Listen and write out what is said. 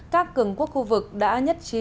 các cường quốc khu vực đã nhất trí